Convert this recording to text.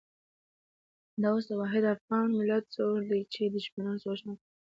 همدا اوس د واحد افغان ملت زور دی چې دښمنان سوچ نه کوي.